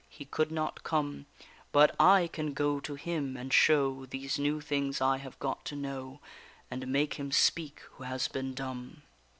He could not come, But I can go to him and show These new things I have got to know, And make him speak, who has been dumb.